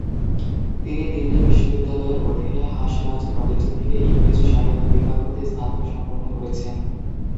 তিনি দিল্লি বিশ্ববিদ্যালয়ের অধীনে হাঁস রাজ কলেজ থেকে ইংরেজি সাহিত্য বিভাগ হতে স্নাতক সম্পন্ন করেছেন।